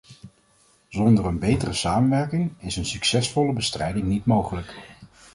Zonder een betere samenwerking is een succesvolle bestrijding niet mogelijk.